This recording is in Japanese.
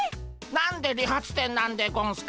何で理髪店なんでゴンスか？